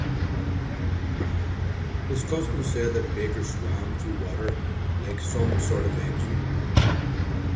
His cousin said that Baker swam through water "like some sort of engine".